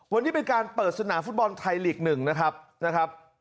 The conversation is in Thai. วันนี้เป็นการเปิดสนามฟุตบอลไทยลีก๑นะครับนะครับ